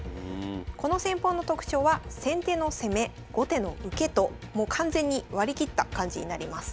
この戦法の特徴は先手の攻め後手の受けともう完全に割り切った感じになります。